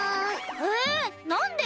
えなんで？